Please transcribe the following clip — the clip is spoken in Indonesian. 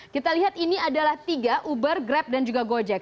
kita lihat ini adalah tiga uber grab dan juga gojek